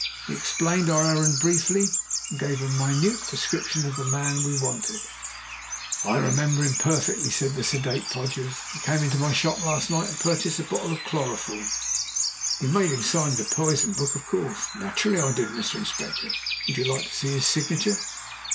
We explained our errand briefly, and gave a minute description of the man we wanted. "I remember him perfectly," said the sedate Podgers. "He came into my shop last night and purchased a bottle of chloroform." "You made him sign the poison book, of course?" "Naturally I did, Mr. Inspector. Would you like to see his signature?"